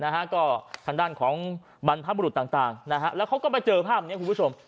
ทางด้านของบรรพบุรุษต่างแล้วเขาก็ไปเจอภาพนี้คุณผู้ชม